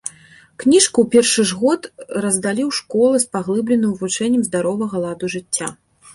Кніжку ў першы ж год раздалі ў школы з паглыбленым вывучэннем здаровага ладу жыцця.